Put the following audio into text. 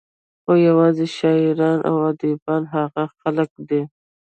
خو يوازې شاعران او اديبان هغه خلق دي